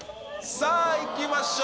さあ、いきましょう。